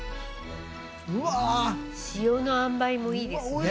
塩のあんばいもいいですね。